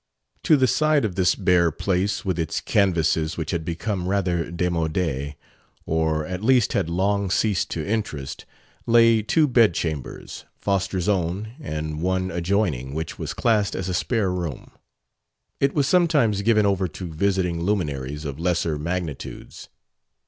To the side of this bare place, with its canvases which had become rather démodé or at least had long ceased to interest lay two bed chambers: Foster's own, and one adjoining, which was classed as a spare room. It was sometimes given over to visiting luminaries of lesser magnitudes.